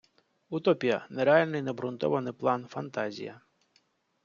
Утопія — нереальний необгрунтований план, фантазія